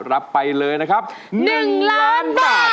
รับไปเลยนะครับ๑ล้านบาท